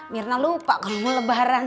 mirna lupa kalau mau lebaran